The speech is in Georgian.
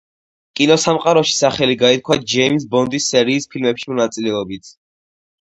კინოსამყაროში სახელი გაითქვა ჯეიმზ ბონდის სერიის ფილმებში მონაწილეობით.